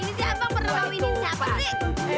ini siapa pernah mau ini siapa sih